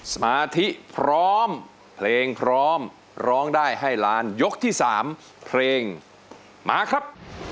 สมาธิพร้อมเพลงพร้อมร้องได้ให้ล้านยกที่๓เพลงมาครับ